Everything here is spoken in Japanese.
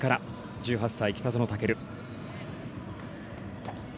１８歳、北園丈琉。